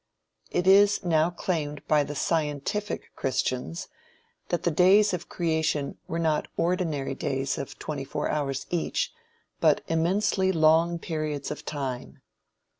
It is, now claimed by the "scientific" christians that the "days" of creation were not ordinary days of twenty four hours each, but immensely long periods of time.